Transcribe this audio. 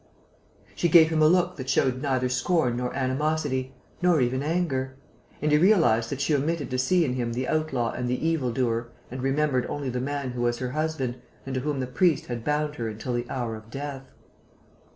She gave him a look that showed neither scorn nor animosity, nor even anger; and he realized that she omitted to see in him the outlaw and the evil doer and remembered only the man who was her husband and to whom the priest had bound her until the hour of death.